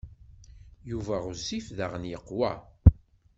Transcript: Yuba ɣezzif daɣen yeqwa.